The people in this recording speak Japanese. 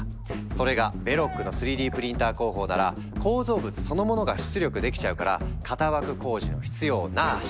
それがベロックの３Ｄプリンター工法なら構造物そのものが出力できちゃうから型枠工事の必要なし！